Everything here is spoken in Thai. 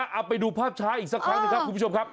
เอาไปดูภาพช้าอีกสักครั้งหนึ่งครับคุณผู้ชมครับ